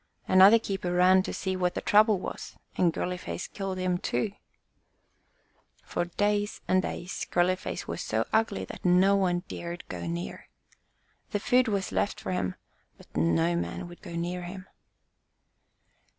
Another keeper ran to see what the trouble was, and Girly face killed him, too. For days and days Girly face was so ugly that no one dared go near. The food was left for him, but no man would go near him.